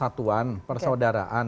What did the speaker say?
dan itu yang saya kira sangat penting